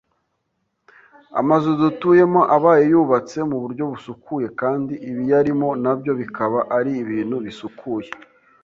amazu dutuyemo abaye yubatse mu buryo busukuye kandi ibiyarimo na byo bikaba ari ibintu bisukuye;